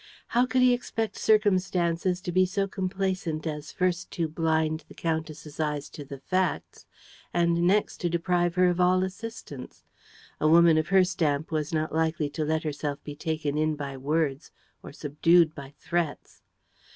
How could he expect circumstances to be so complaisant as first to blind the countess' eyes to the facts and next to deprive her of all assistance? A woman of her stamp was not likely to let herself be taken in by words or subdued by threats.